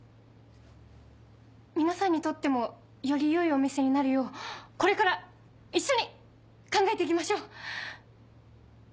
皆さんにとってもよりよいお店になるようこれから一緒に考えて行きましょう。